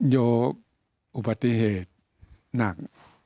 โยอุบัติเหตุหนัก